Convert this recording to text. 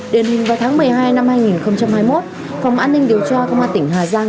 đền hình vào tháng một mươi hai năm hai nghìn hai mươi một phòng an ninh điều tra công an tỉnh hà giang